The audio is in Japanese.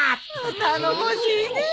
頼もしいねえ。